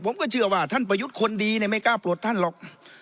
ผมก็เชื่อว่าท่านประยุทธ์คนดีไม่กล้าปลดท่านหรอก